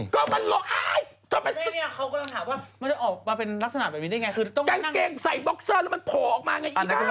เขาก็ถามว่าสิ่งที่มันออกมาเป็นลักษณะไง